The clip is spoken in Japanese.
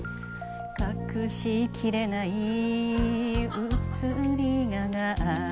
隠しきれない移り香が